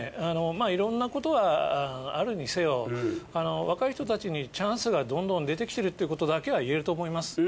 いろんなことがあるにせよ若い人たちにチャンスがどんどん出てきてるっていうことだけは言えると思います。